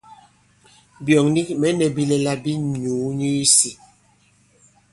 Byɔ̂ŋ nik mɛ̌ nɛ̄ bilɛla bī nùu nyu isī.